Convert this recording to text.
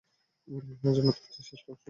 এজন্য এটা সে চেষ্টা করেছিল।